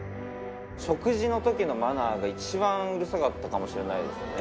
食事のときのマナーが一番うるさかったかもしれないですね。